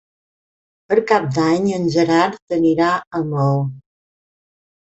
Per Cap d'Any en Gerard anirà a Maó.